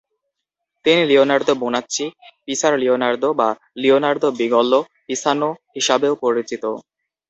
তিনি Leonardo Bonacci, পিসার Leonardo, বা লিওনার্দো বিগল্লো পিসানো হিসাবেও পরিচিত।